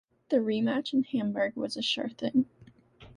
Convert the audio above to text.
The rematch in Hamburg was a sure thing.